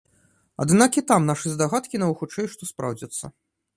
Аднак і там нашы здагадкі, найхутчэй што, спраўдзяцца.